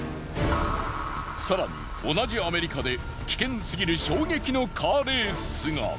更に同じアメリカで危険すぎる衝撃のカーレースが。